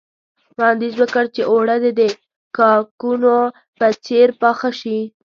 وړانديز وکړ چې اوړه دې د کاکونو په څېر پاخه شي.